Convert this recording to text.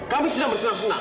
kami sedang bersenang senang